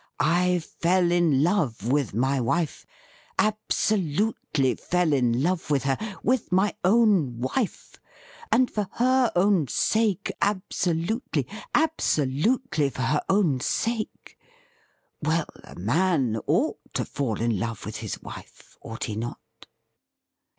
'' I fell in love with my wife — absolutely fell in love with her — with my own wife — and for her own sake absolutely, absolutely for her own sake ! Well, a man ought to fall in love with his wife, ought he not